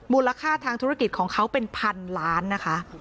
มูลค่าทางธุรกิจของเขาเป็นพันล้านนะคะ